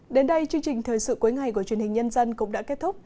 đến đây chương trình thời sự cuối ngày của truyền hình nhân dân cũng đã kết thúc